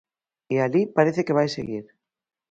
E alí parece que vai seguir.